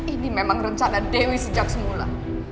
ini memang rencana dewi sejak semula